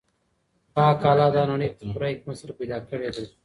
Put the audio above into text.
پاک الله دا نړۍ په پوره حکمت سره پیدا کړې ده.